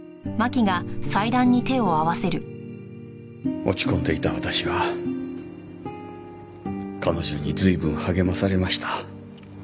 落ち込んでいた私は彼女に随分励まされました。